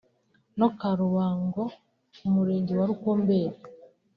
no ka Rubago Umurenge wa Rukumbeli